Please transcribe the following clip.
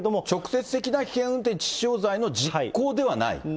直接的な危険運転致死傷罪の実行ではない。